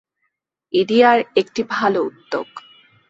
ADR একটি ভালো উদ্যোগ।